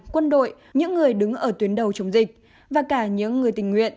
quân đội những người đứng ở tuyến đầu chống dịch và cả những người tình nguyện